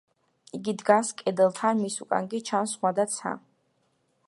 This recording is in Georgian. იგი დგას კედელთან, მის უკან კი ჩანს ზღვა და ცა.